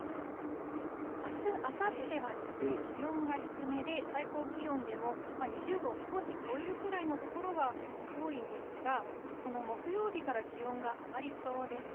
あす、あさっては気温が低めで、最高気温でも２０度を少し超えるくらいの所が多いんですが、この木曜日から気温が上がりそうです。